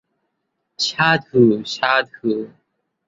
সাধু সাধু।